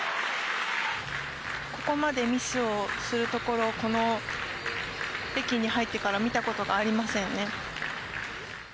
ここまでミスをするところこの北京に入ってから見たことがありませんね。